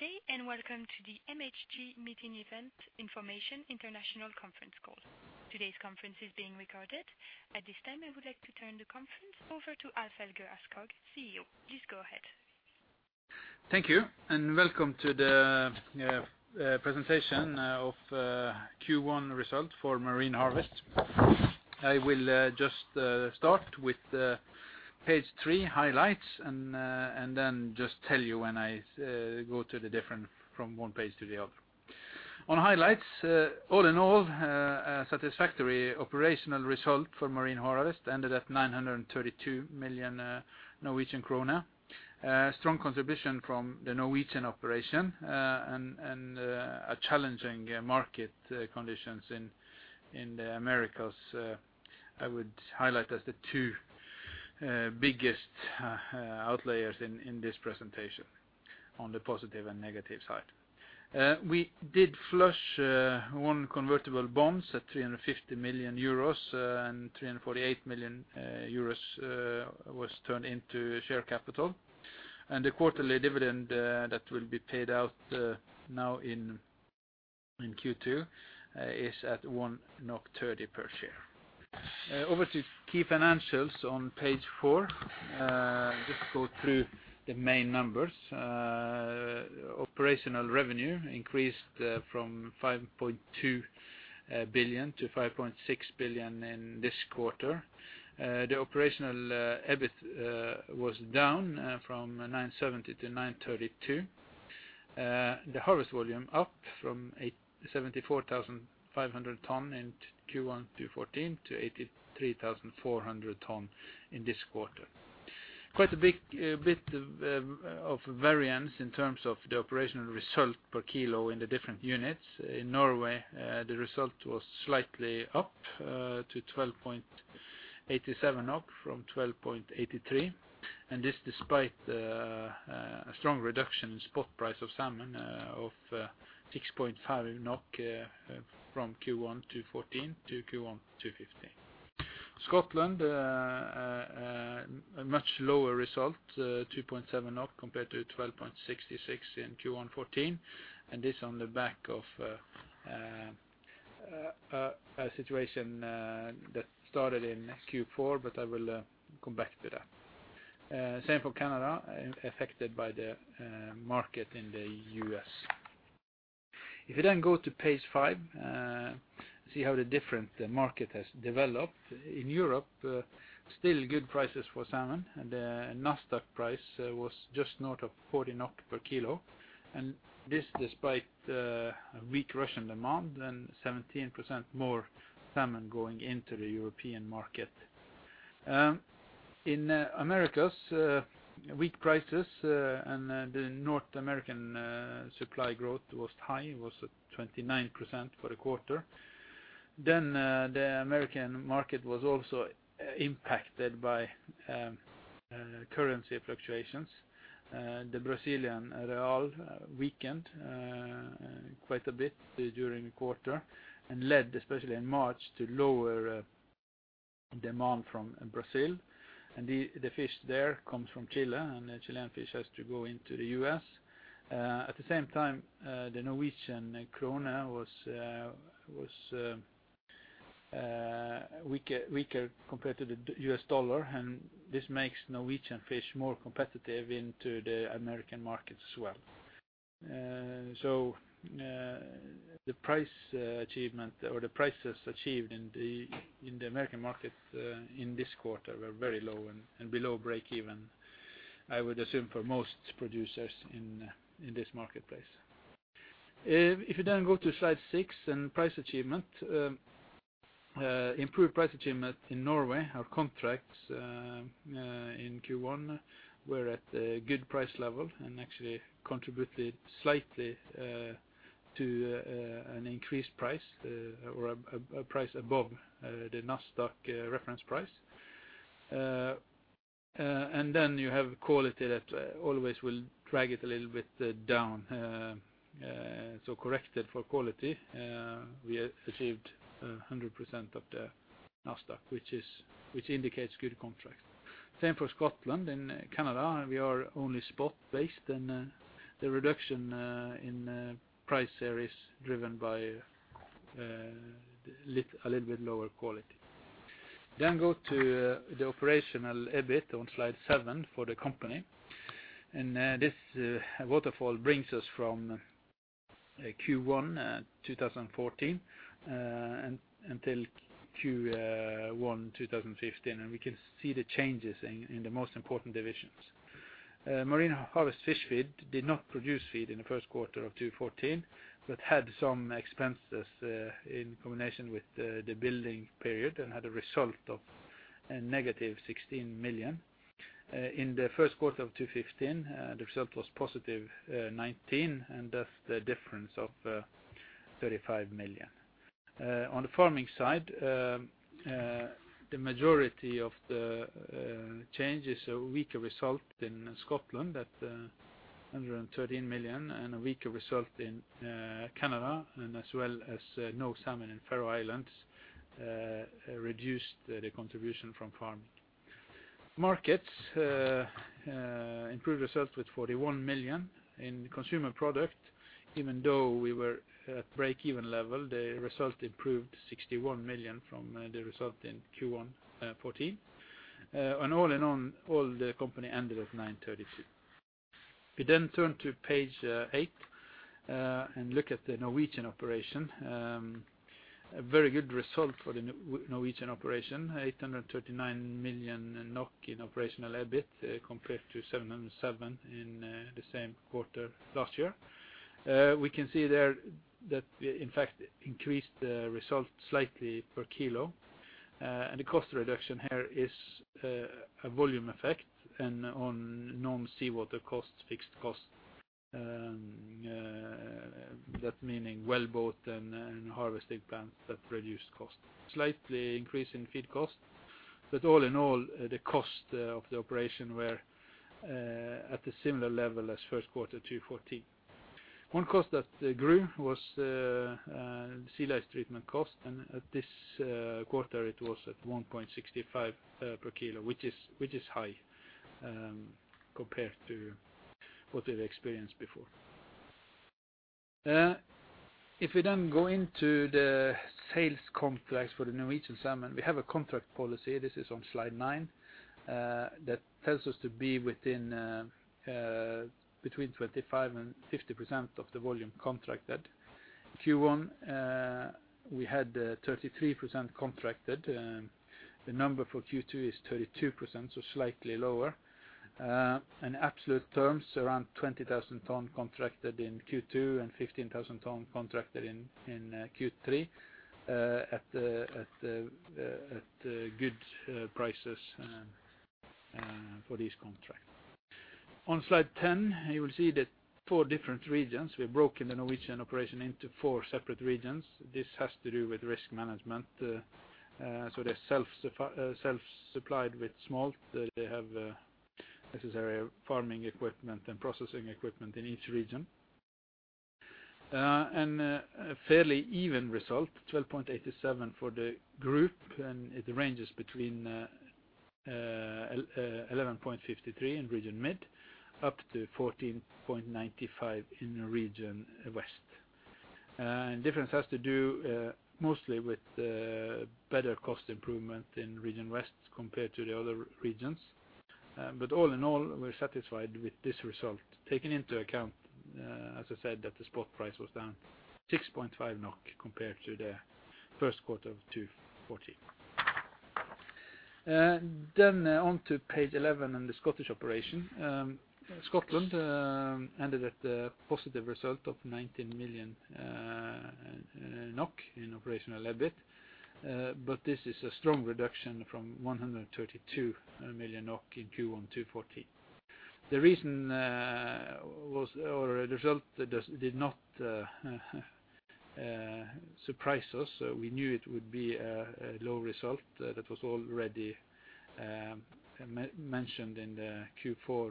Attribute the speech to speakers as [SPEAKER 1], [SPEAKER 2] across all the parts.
[SPEAKER 1] Good day. Welcome to the MHG Meeting Event Information International Conference Call. Today's conference is being recorded. At this time, I would like to turn the conference over to Alf-Helge Aarskog, CEO. Please go ahead.
[SPEAKER 2] Thank you, and welcome to the presentation of Q1 results for Marine Harvest. I will just start with page three highlights and then just tell you when I go from one page to the other. On Highlights, all in all, a satisfactory operational result for Marine Harvest ended at 932 million Norwegian krone. A strong contribution from the Norwegian operation and challenging market conditions in the Americas I would highlight as the two biggest outliers in this presentation on the positive and negative side. We did redeem one convertible bond at 350 million euros. 348 million euros was turned into share capital. The quarterly dividend that will be paid out now in Q2 is at 1.30 per share. Over to key financials on page four. Just go through the main numbers. Operational revenue increased from 5.2 billion to 5.6 billion in this quarter. The operational EBIT was down from 970 to 932. The harvest volume up from 74,500 tons in Q1 2014 to 83,400 tons in this quarter. Quite a bit of variance in terms of the operational result per kilo in the different units. In Norway, the result was slightly up to 12.87 NOK from 12.83. This despite a strong reduction in spot price of salmon of 6.5 NOK from Q1 2014 to Q1 2015. Scotland, a much lower result, 2.7 NOK compared to 12.66 in Q1 2014; this is on the back of a situation that started in Q4. I will come back to that. Same for Canada, affected by the market in the U.S. If you then go to page five, see how the different market has developed. In Europe, still good prices for salmon. The NASDAQ price was just north of 40 NOK per kilo, and this despite weak Russian demand and 17% more salmon going into the European market. In the Americas, weak prices. The North American supply growth was high; it was at 29% for the quarter. The American market was also impacted by currency fluctuations. The Brazilian real weakened quite a bit during the quarter and led, especially in March, to lower demand from Brazil. The fish there comes from Chile, and the Chilean fish has to go into the U.S. At the same time, the Norwegian krone was weaker compared to the US dollar. This makes Norwegian fish more competitive into the American market as well. The prices achieved in the American market this quarter were very low and below break even, I would assume for most producers in this marketplace. Go to slide six and price achievement. Improved price achievement in Norway. Our contracts in Q1 were at a good price level and actually contributed slightly to an increased price or a price above the NASDAQ reference price. You have quality that always will drag it a little bit down. Corrected for quality, we achieved 100% of the NASDAQ, which indicates good contracts. Same for Scotland and Canada. We are only spot-based, and the reduction in price there is driven by a little bit lower quality. Go to the operational EBIT on slide seven for the company. This waterfall brings us from Q1 2014 until Q1 2015, and we can see the changes in the most important divisions. Marine Harvest Fish Feed did not produce feed in the first quarter of 2014 but had some expenses in combination with the building period and had a result of a negative 16 million. In the first quarter of 2015, the result was positive 19 million, and that's the difference of 35 million. On the farming side, the majority of the changes are a weaker result in Scotland at 113 million and a weaker result in Canada and as well as no salmon in Faroe Islands reduced the contribution from farm. Markets improved the result with 41 million in Consumer Products. Even though we were at break-even level, the result improved 61 million from the result in Q1 2014. All in all, the company ended at 932 million. We turn to page eight and look at the Norwegian operation. A very good result for the Norwegian operation, 839 million NOK in operational EBIT compared to 707 in the same quarter last year. We can see there that we in fact increased the result slightly per kilo; the cost reduction here is a volume effect and on non-seawater costs, fixed costs, meaning wellboat and harvesting plants that reduce costs. Slightly increase in feed cost. All in all, the cost of the operation were at the similar level as first quarter 2014. One cost that grew was the sea lice treatment cost, and at this quarter it was at 1.65 per kilo, which is high compared to what we've experienced before. If we go into the sales contracts for the Norwegian salmon, we have a contract policy, this is on slide 9, that tells us to be between 25% and 50% of the volume contracted. Q1, we had 33% contracted. The number for Q2 is 32%, so slightly lower. In absolute terms, around 20,000 tons contracted in Q2 and 15,000 tons contracted in Q3 at good prices for these contracts. On slide 10, you will see the four different regions. We've broken the Norwegian operation into four separate regions. This has to do with risk management. They're self-supplied with smolt. They have necessary farming equipment and processing equipment in each region. A fairly even result, 12.87 for the group, and it ranges between 11.53 in Region Mid up to 14.95 in Region West. Difference has to do mostly with the better cost improvement in region west compared to the other regions. All in all, we're satisfied with this result, taking into account, as I said, that the spot price was down 6.5 NOK compared to the first quarter of 2014. On to page 11 on the Scottish operation. Scotland ended at a positive result of 19 million NOK in operational EBIT, but this is a strong reduction from 132 million NOK in Q1 2014. The result did not surprise us, so we knew it would be a low result that was already mentioned in the Q4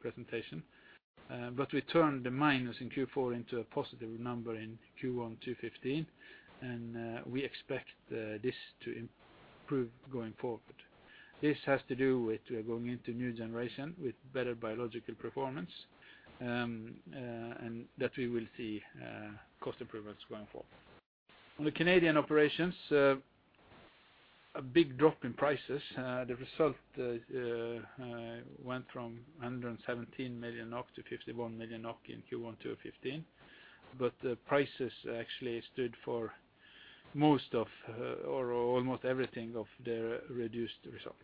[SPEAKER 2] presentation. We turned the minus in Q4 into a positive number in Q1 2015, and we expect this to improve going forward. This has to do with going into a new generation with better biological performance, and that we will see cost improvements going forward. On the Canadian operations, a big drop in prices. The result went from 117 million NOK to 51 million NOK in Q1 2015. The prices actually stood for most of or almost everything of the reduced result.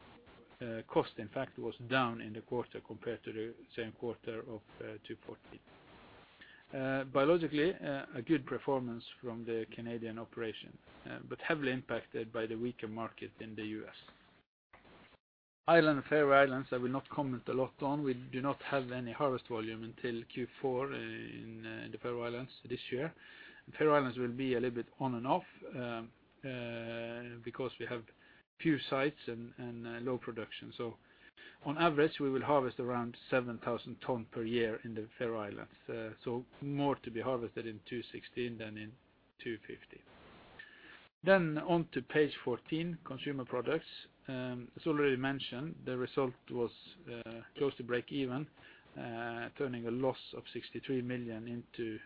[SPEAKER 2] Cost, in fact, was down in the quarter compared to the same quarter of 2014. Biologically, a good performance from the Canadian operation. Heavily impacted by the weaker market in the U.S., Ireland, and Faroe Islands, I will not comment a lot on. We do not have any harvest volume until Q4 in the Faroe Islands this year. The Faroe Islands will be a little bit on and off because we have few sites and low production. On average, we will harvest around 7,000 tons per year in the Faroe Islands, so more to be harvested in 2016 than in 2015. On to page 14, Consumer Products. As already mentioned, the result was close to break even, turning a loss of 63 million into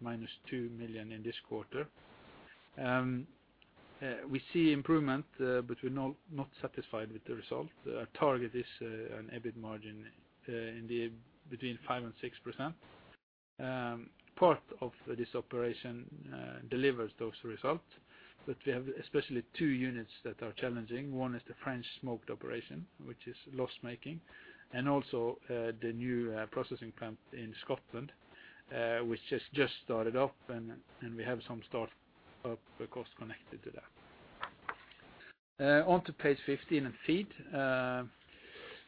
[SPEAKER 2] minus 2 million in this quarter. We see improvement, but we're not satisfied with the result. Our target is an EBIT margin between 5% and 6%. Part of this operation delivers those results, but we have especially two units that are challenging. One is the French smoked operation, which is loss-making, and also the new processing plant in Scotland, which has just started up, and we have some start-up costs connected to that. To page 15 on feed.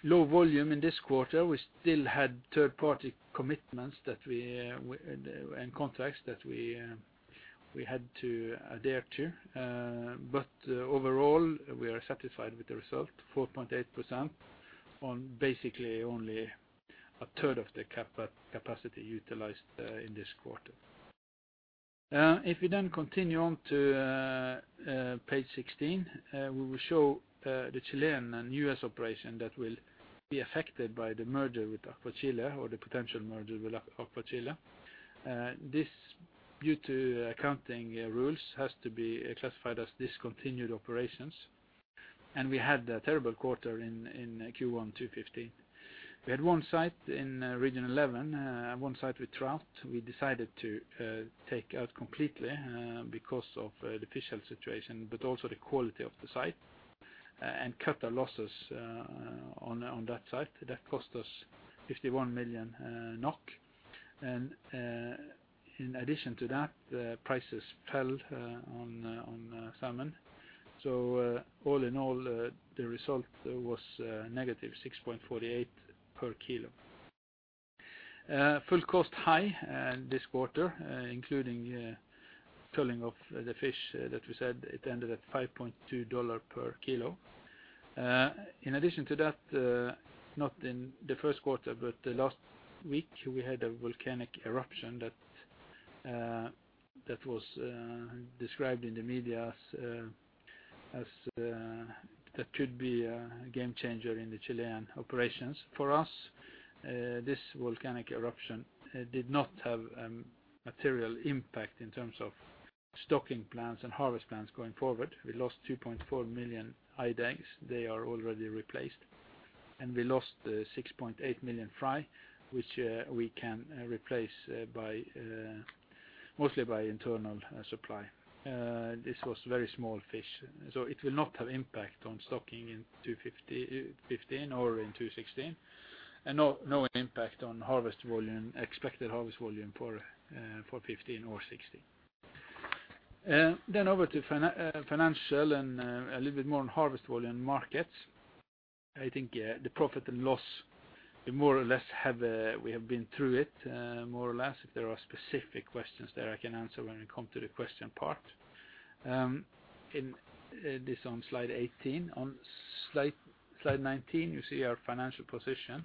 [SPEAKER 2] Low volume in this quarter. We still had third-party commitments and contracts that we had to adhere to. Overall, we are satisfied with the result, 4.8% on basically only a third of the capacity utilized in this quarter. If we then continue on to page 16, we will show the Chilean and U.S. operation that will be affected by the merger with AquaChile or the potential merger with AquaChile. This, due to accounting rules, has to be classified as discontinued operations. We had a terrible quarter in Q1 2015. We had one site in region 11, one site with trout we decided to take out completely because of the official situation but also the quality of the site, and cut our losses on that site. That cost us 51 million NOK. In addition to that, prices fell on salmon. All in all, the result was negative 6.48 per kilo. Full cost high this quarter, including culling of the fish that we said, it ended at $5.2 per kilo. In addition to that, not in the first quarter but the last week, we had a volcanic eruption that was described in the media that could be a game changer in the Chilean operations. For us, this volcanic eruption did not have a material impact in terms of stocking plans and harvest plans going forward. We lost 2.4 million eyed eggs. They are already replaced. We lost 6.8 million fry, which we can replace mostly by internal supply. This was very small fish, so it will not have impact on stocking in 2015 or in 2016, and no impact on expected harvest volume for 2015 or 2016. Over to financial and a little bit more on harvest volume markets. I think the profit and loss, we have been through it more or less. If there are specific questions there I can answer when we come to the question part. This on slide 18. On slide 19, you see our financial position.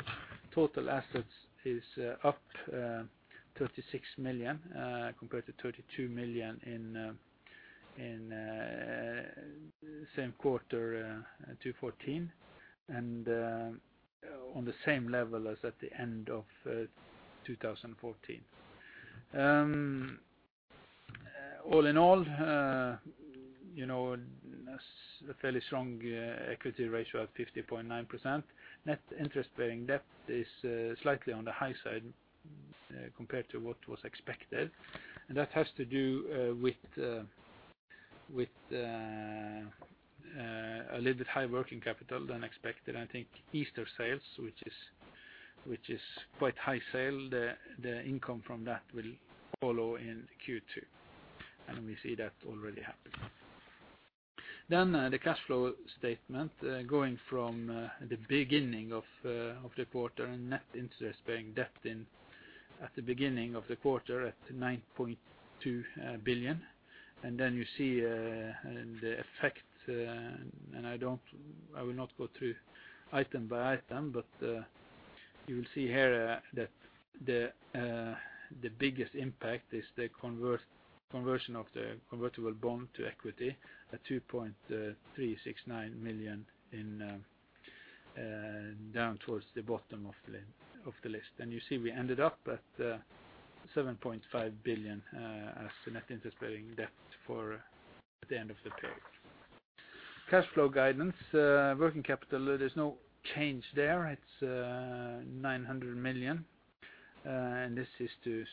[SPEAKER 2] Total assets is up 36 million compared to 32 million in the same quarter 2014 and on the same level as at the end of 2014. All in all, a fairly strong equity ratio of 50.9%. Net interest-bearing debt is slightly on the high side compared to what was expected. That has to do with a little bit high working capital than expected. I think Easter sales, which is quite high sales, the income from that will follow in Q2. We see that already happening. The cash flow statement going from the beginning of the quarter. Net interest-bearing debt at the beginning of the quarter at 9.2 billion. Then you see the effect; I will not go through item by item, but you will see here the biggest impact is the conversion of the convertible bond to equity at 2,369 million down towards the bottom of the list. You see, we ended up at 7.5 billion as the net interest-bearing debt for the end of the period. Cash flow guidance. Working capital: There's no change there. It's 900 million, and this is to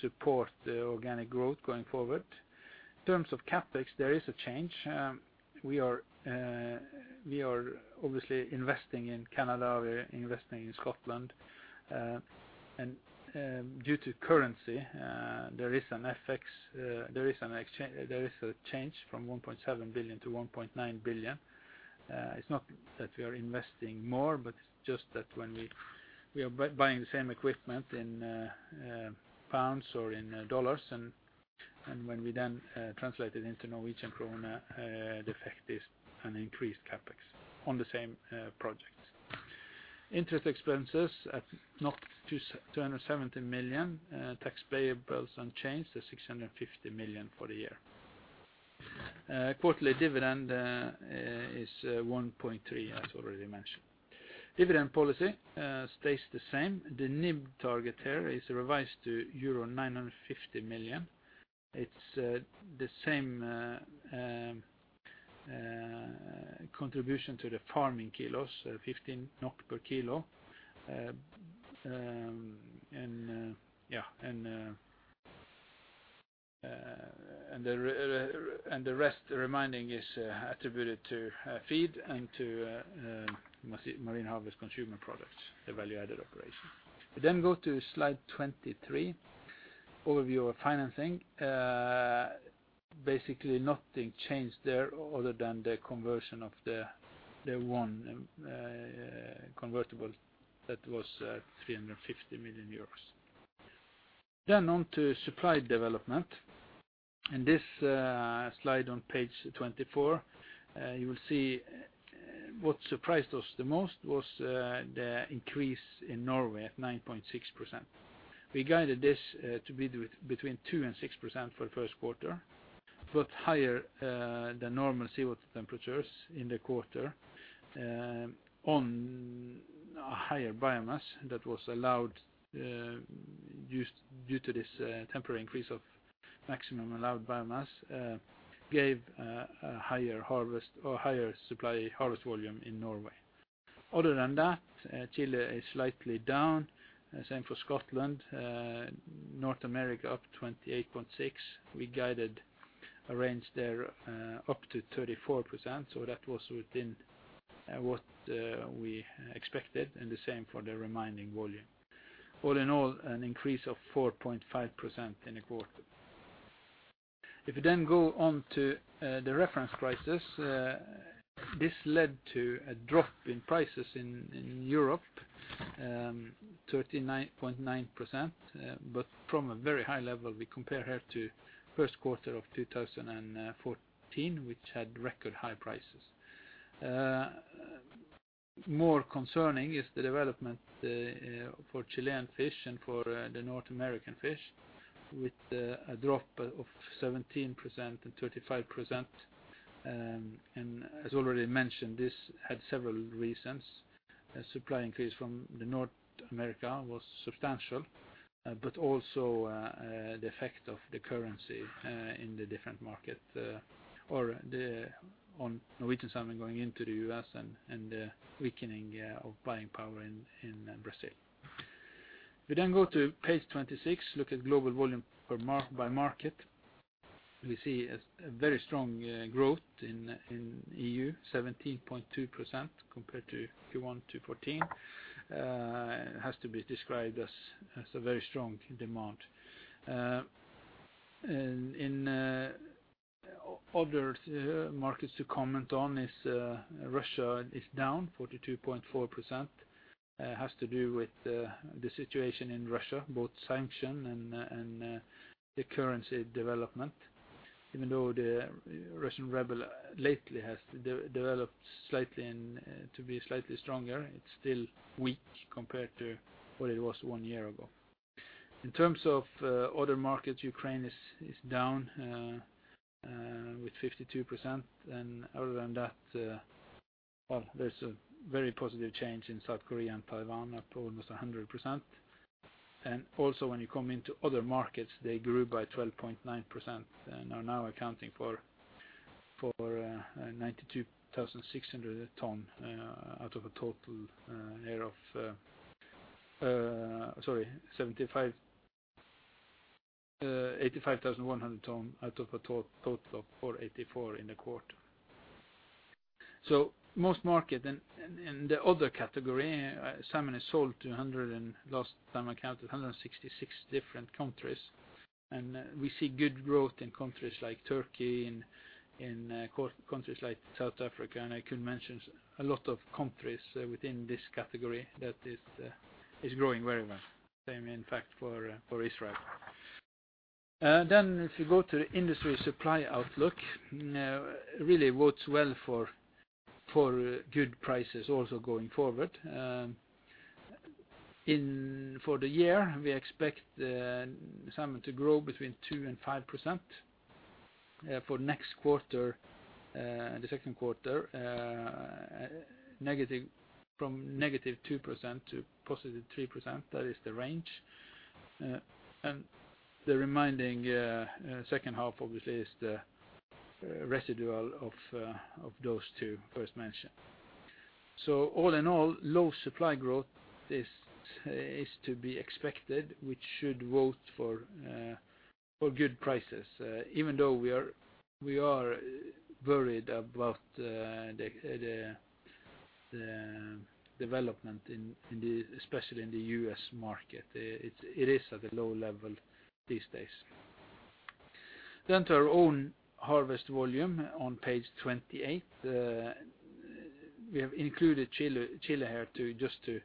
[SPEAKER 2] support the organic growth going forward. In terms of CapEx, there is a change. We are obviously investing in Canada. We're investing in Scotland. Due to currency, there is a change from 1.7 billion to 1.9 billion. It's not that we are investing more, but it's just that we are buying the same equipment in pounds or in dollars, and when we then translate it into Norwegian kroner, the effect is an increased CapEx on the same projects. Interest expenses at 270 million. Tax payables unchanged to 650 million for the year. Quarterly dividend is 1.3, as already mentioned. Dividend policy stays the same. The NIBD target here is revised to euro 950 million. It's the same contribution to the farming kilos: NOK 15 per kilo. The remaining is attributed to feed and to Marine Harvest Consumer Products, the value-added operation. We go to slide 23, overview of financing. Basically nothing changed there other than the conversion of the one convertible that was 350 million euros. On to supply development. In this slide on page 24, you'll see. What surprised us the most was the increase in Norway at 9.6%. We guided this to be between 2% and 6% for the first quarter but higher than normal seawater temperatures in the quarter on a higher biomass that was allowed due to this temporary increase of maximum allowed biomass gave a higher supply harvest volume in Norway. Other than that, Chile is slightly down. The same for Scotland. North America up 28.6%. We guided a range there up to 34%, so that was within what we expected, and the same for the remaining volume. All in all, an increase of 4.5% in the quarter. If you go on to the reference prices, this led to a drop in prices in Europe, 39.9%, but from a very high level. We compare here to first quarter of 2014, which had record-high prices. More concerning is the development for Chilean fish and for the North American fish, with a drop of 17% and 35%. As already mentioned, this had several reasons. Supply increase from the North America was substantial, but also the effect of the currency in the different markets or the Norwegian salmon going into the U.S. and the weakening of buying power in Brazil. We go to page 26 and look at global volume by market. We see a very strong growth in EU, 17.2% compared to Q1 2014. It has to be described as a very strong demand. Other markets to comment on is Russia is down 42.4%. It has to do with the situation in Russia, both sanctions and the currency development. The Russian ruble lately has developed to be slightly stronger; it's still weak compared to what it was one year ago. In terms of other markets, Ukraine is down with 52%. Other than that, there's a very positive change in South Korea and Taiwan at almost 100%. When you come into other markets, they grew by 12.9% and are now accounting for 85,100 tons out of a total of 484 in the quarter. Most markets in the other category, salmon is sold to, last time I counted, 166 different countries. We see good growth in countries like Turkey and in countries like South Africa. I could mention a lot of countries within this category that is growing very well. Same, in fact, for Israel. If you go to industry supply outlook, really bodes well for good prices also going forward. For the year, we expect the salmon to grow between 2% and 5%. For next quarter and the second quarter, from -2% to +3%. That is the range. The remaining second half, obviously, is the residual of those two first mentioned. All in all, low supply growth is to be expected, which should bode for good prices, even though we are worried about the development, especially in the U.S. market. It is at a low level these days. To our own harvest volume on page 28. We have included Chile here just to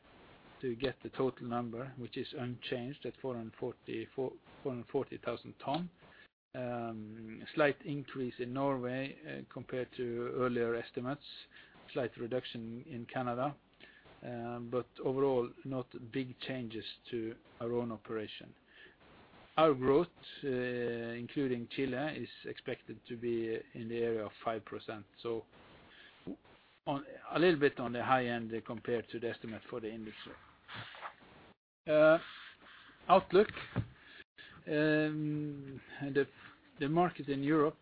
[SPEAKER 2] get the total number, which is unchanged at 440,000 tons. Slight increase in Norway compared to earlier estimates. Slight reduction in Canada. Overall, not big changes to our own operation. Our growth, including Chile, is expected to be in the area of 5%. A little bit on the high end compared to the estimate for the industry. Outlook. The market in Europe,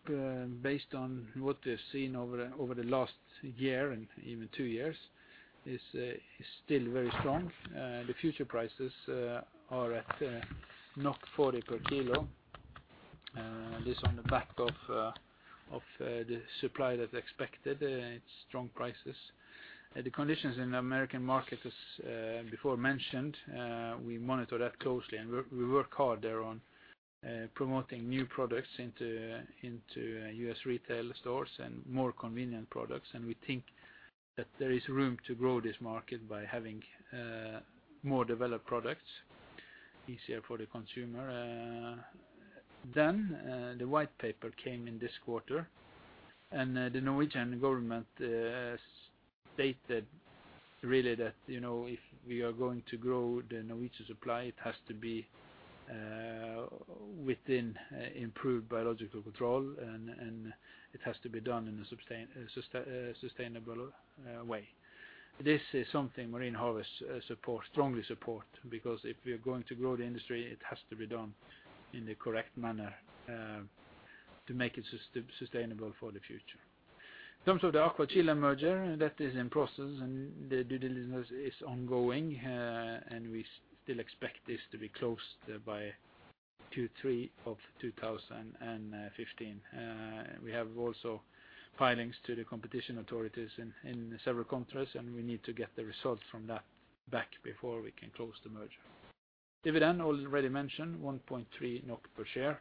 [SPEAKER 2] based on what we've seen over the last year and even two years, is still very strong. The future prices are at 40 per kilo. This on the back of the supply that's expected. It's strong prices. The conditions in the American market, as before mentioned, we monitor that closely, and we work hard there on promoting new products into U.S. retail stores and more convenient products. We think that there is room to grow this market by having more developed products, easier for the consumer. The white paper came in this quarter, and the Norwegian government stated that if we are going to grow the Norwegian supply, it has to be within improved biological control, and it has to be done in a sustainable way. This is something Marine Harvest strongly supports, because if we are going to grow the industry, it has to be done in the correct manner to make it sustainable for the future. In terms of the AquaChile merger, that is in process, and the deal is ongoing, and we still expect this to be closed by Q3 of 2015. We have also filings to the competition authorities in several countries, and we need to get the results from that back before we can close the merger. Dividend already mentioned: 1.3 NOK per share.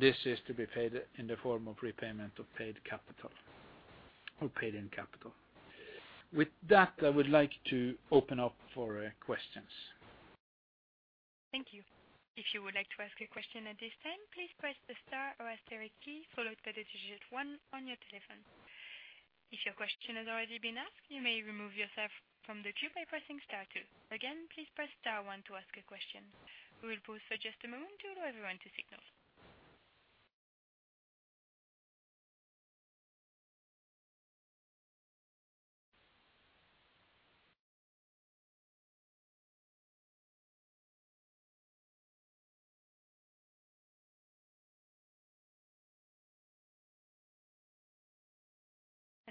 [SPEAKER 2] This is to be paid in the form of repayment of paid capital or paid-in capital. With that, I would like to open up for questions.
[SPEAKER 1] Thank you. If you would like to ask a question at this time, please press the star or asterisk key, followed by the digit one on your telephone. If your question has already been asked, you may remove yourself from the queue by pressing star two. Again, please press star one to ask a question. We will pause for just a moment to allow everyone to signal.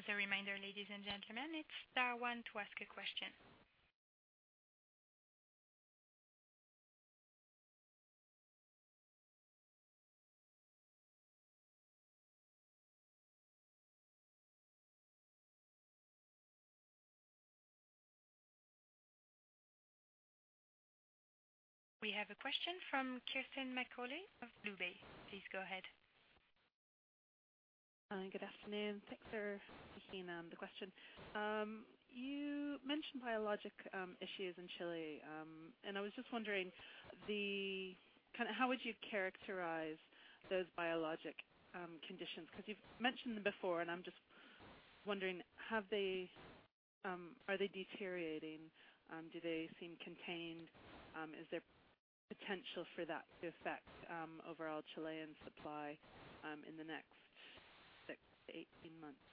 [SPEAKER 1] As a reminder, ladies and gentlemen, it's star one to ask a question. We have a question from Kirsten Macaulay of Bloomberg. Please go ahead.
[SPEAKER 3] Good afternoon. Thanks for fitting me in the question. You mentioned biologic issues in Chile, and I was just wondering how would you characterize those biologic conditions. You've mentioned them before, and I'm just wondering, are they deteriorating? Do they seem contained? Is there potential for that to affect overall Chilean supply in the next 6-18 months?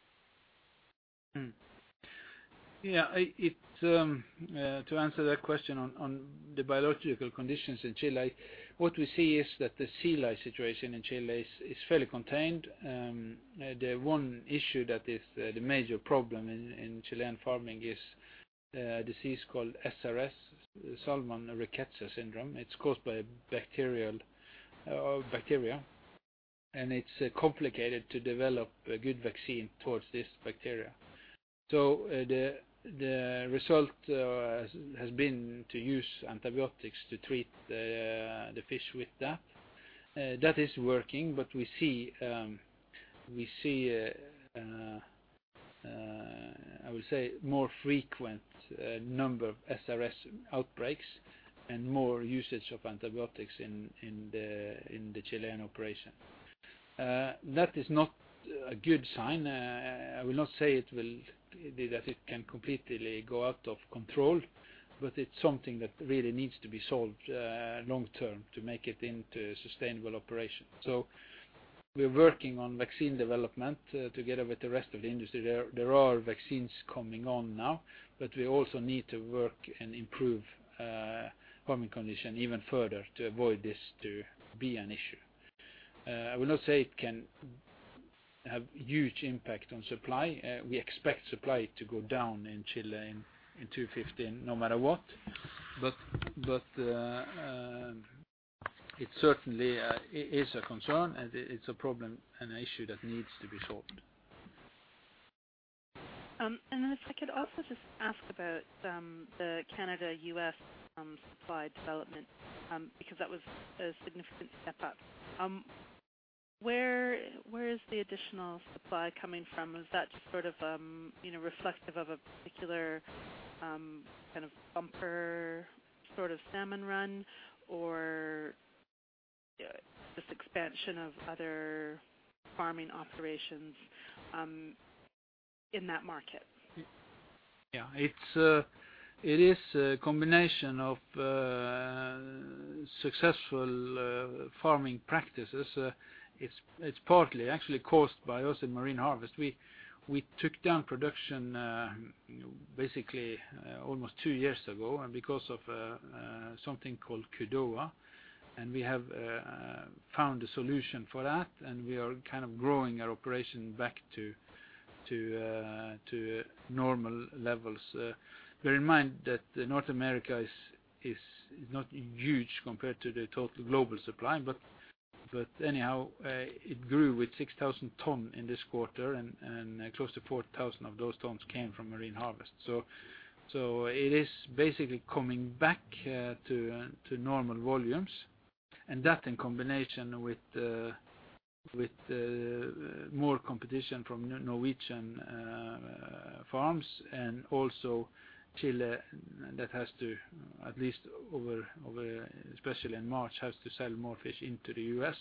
[SPEAKER 2] To answer that question on the biological conditions in Chile, what we see is that the sea lice situation in Chile is fairly contained. The one issue that is the major problem in Chilean farming is a disease called SRS, Salmonid Rickettsial Syndrome. It's caused by bacteria. It's complicated to develop a good vaccine towards this bacteria. The result has been to use antibiotics to treat the fish with that. That is working. We see, I would say, more frequent number of SRS outbreaks and more usage of antibiotics in the Chilean operation. That is not a good sign. I will not say that it can completely go out of control. It's something that really needs to be solved long-term to make it into a sustainable operation. We're working on vaccine development together with the rest of the industry. There are vaccines coming on now, but we also need to work and improve farming conditions even further to avoid this to be an issue. I will not say it can have a huge impact on supply. We expect supply to go down in Chile in 2015 no matter what, but it certainly is a concern, and it's a problem and issue that needs to be solved.
[SPEAKER 3] If I could also just ask about the Canada-US supply development, because that was a significant step up. Where is the additional supply coming from? Is that just reflective of a particular bumper salmon run or just expansion of other farming operations in that market?
[SPEAKER 2] It is a combination of successful farming practices. It's partly actually caused by us at Marine Harvest. We took down production basically almost two years ago and because of something called Kudoa, and we have found a solution for that, and we are growing our operation back to normal levels. Bear in mind that North America is not huge compared to the total global supply, but anyhow, it grew with 6,000 tons in this quarter, and close to 4,000 of those tons came from Marine Harvest. It is basically coming back to normal volumes. That, in combination with more competition from Norwegian farms and also Chile that has to, at least especially in March, has to sell more fish into the U.S.,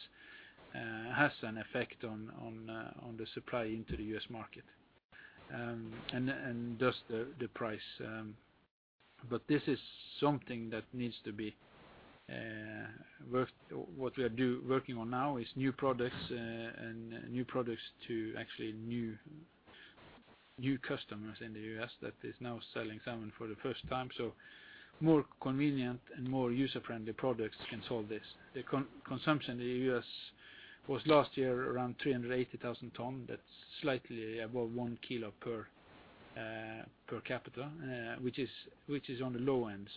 [SPEAKER 2] has an effect on the supply into the U.S. market and thus the price. What we are working on now is new products, and new products to actually new customers in the U.S. that is now selling salmon for the first time. More convenient and more user-friendly products can solve this. The consumption in the U.S. was last year around 380,000 tons. That's slightly above 1 kilo per capita, which is on the low end.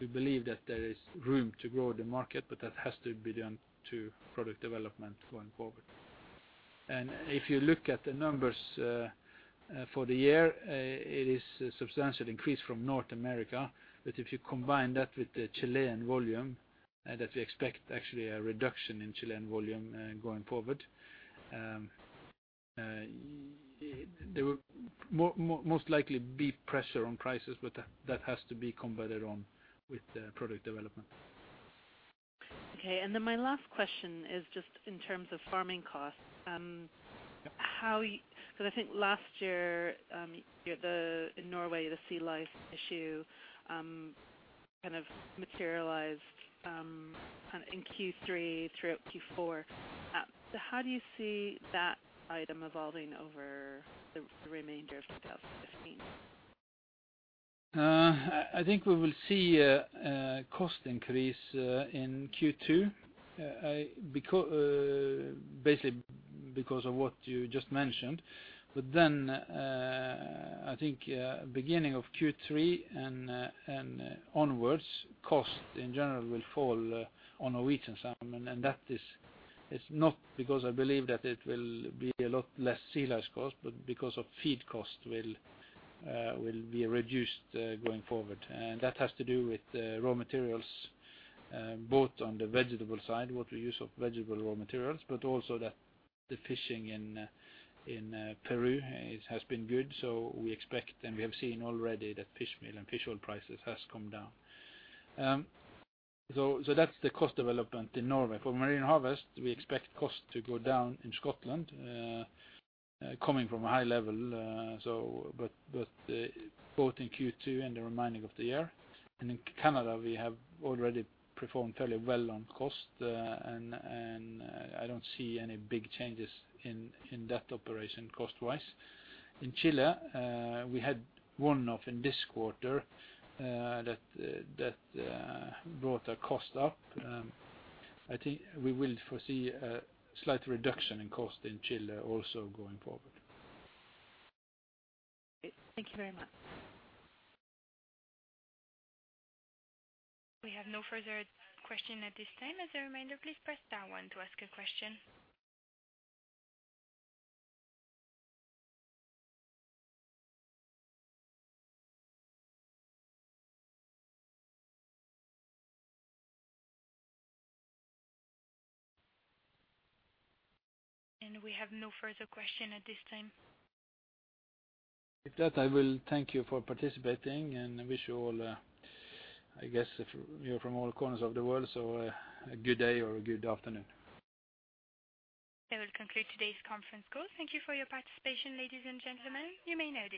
[SPEAKER 2] We believe that there is room to grow the market, but that has to be done through product development going forward. If you look at the numbers for the year, it is a substantial increase from North America. If you combine that with the Chilean volume, and if you expect actually a reduction in Chilean volume going forward, there will most likely be pressure on prices, but that has to be combated on with product development.
[SPEAKER 3] Okay, my last question is just in terms of farming costs. I think last year in Norway, the sea lice issue kind of materialized in Q3 throughout Q4. How do you see that item evolving over the remainder of 2015?
[SPEAKER 2] I think we will see a cost increase in Q2, basically because of what you just mentioned. I think beginning of Q3 and onwards, costs in general will fall on a week in summer, and that is not because I believe that it will be a lot less sea lice cost, but because of feed costs will be reduced going forward. That has to do with raw materials, both on the vegetable side, what we use of vegetable raw materials, but also that the fishing in Peru has been good. We expect, and we have seen already, that fish meal and fish oil prices has come down. That's the cost development in Norway. For Marine Harvest, we expect costs to go down in Scotland, coming from a high level, but both in Q2 and the remaining of the year. In Canada, we have already performed fairly well on cost, and I don't see any big changes in that operation cost-wise. In Chile, we had one-off in this quarter that brought the cost up. I think we will foresee a slight reduction in cost in Chile also going forward.
[SPEAKER 1] Great. Thank you very much. We have no further questions at this time. As a reminder, please press star one to ask a question. We have no further questions at this time.
[SPEAKER 2] With that, I will thank you for participating and wish you all, I guess you're from all corners of the world, so a good day or a good afternoon.
[SPEAKER 1] That will conclude today's conference call. Thank you for your participation, ladies and gentlemen. You may now disconnect.